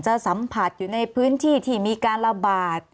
สัมผัสอยู่ในพื้นที่ที่มีการระบาด